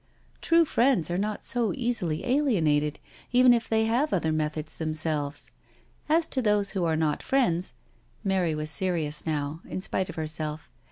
" True friends are not so easily alienated, even if they have other methods themselves. As to those who are not friends ..." Mary was serious now, in spite of herself.